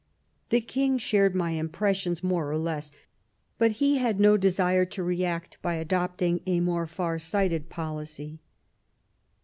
... The King shared my impressions m.ore or less, but he had no desire to react by adopting a more far sighted policy."